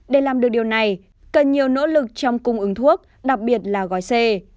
để làm được điều này cần nhiều nỗ lực trong cung ứng thuốc đặc biệt là gói xe